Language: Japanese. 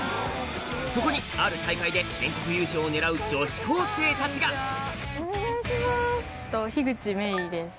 そこにある大会で全国優勝を狙う女子高生たちが樋口愛唯です。